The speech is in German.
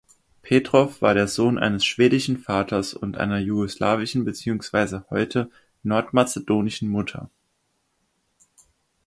Petrov war der Sohn eines schwedischen Vaters und einer jugoslawischen beziehungsweise heute nordmazedonischen Mutter.